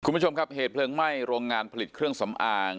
คุณผู้ชมครับเหตุเพลิงไหม้โรงงานผลิตเครื่องสำอาง